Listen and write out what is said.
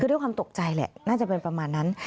คือด้วยความตกใจแหละน่าจะเป็นประมาณนั้น